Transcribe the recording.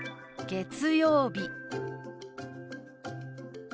月曜日。